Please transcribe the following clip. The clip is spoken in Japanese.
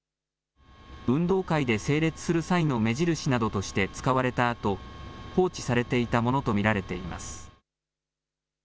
運動会で整列する際の目印などとして使われたあと放置されていたものと見られています。